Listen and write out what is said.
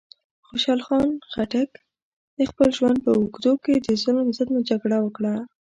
خوشحال خان خټک د خپل ژوند په اوږدو کې د ظلم ضد جګړه وکړه.